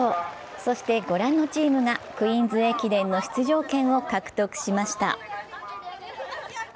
そして、ご覧のチームがクイーンズ駅伝の出場権を獲得しました。